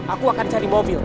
aku akan cari mobil